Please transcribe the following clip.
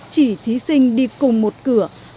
chỉ thí sinh đi cùng một cửa